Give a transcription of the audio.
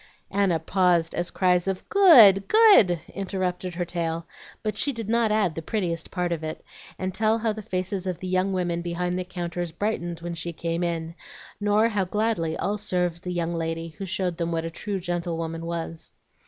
Anna paused as cries of "Good! good!" interrupted her tale; but she did not add the prettiest part of it, and tell how the faces of the young women behind the counters brightened when she came in, nor how gladly all served the young lady who showed them what a true gentlewoman was.